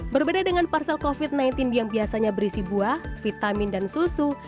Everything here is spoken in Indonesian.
berbeda dengan parsel covid sembilan belas yang biasanya berisi buah vitamin dan susu